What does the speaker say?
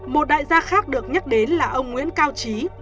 một đại gia khác được nhắc đến là ông nguyễn cao trí